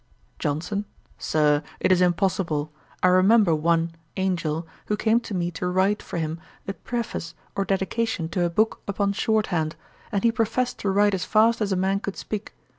JOHNSON. 'Sir, it is impossible. I remember one, Angel, who came to me to write for him a Preface or Dedication to a book upon short hand, and he professed to write as fast as a man could speak.